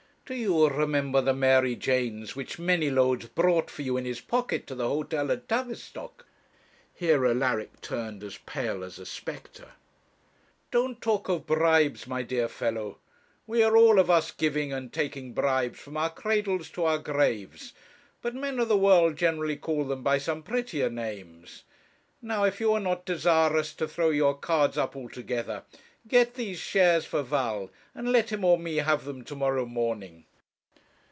Do you remember the Mary Janes which Manylodes brought for you in his pocket to the hotel at Tavistock?' Here Alaric turned as pale as a spectre. 'Don't talk of bribes, my dear fellow. We are all of us giving and taking bribes from our cradles to our graves; but men of the world generally call them by some prettier names. Now, if you are not desirous to throw your cards up altogether, get these shares for Val, and let him or me have them to morrow morning.'